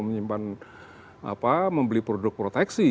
menyimpan membeli produk proteksi